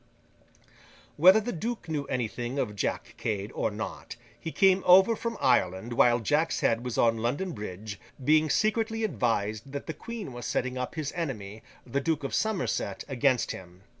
Whether the Duke knew anything of Jack Cade, or not, he came over from Ireland while Jack's head was on London Bridge; being secretly advised that the Queen was setting up his enemy, the Duke of Somerset, against him.